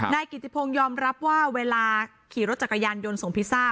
นายกิติพงศ์ยอมรับว่าเวลาขี่รถจักรยานยนต์ส่งพิซซ่า